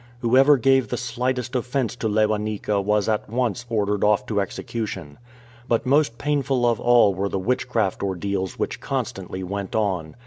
Whoever gave the slightest offence to Lewanika was at once ordered off to execution. But most painful of all were the witch craft ordeals which constantly went on.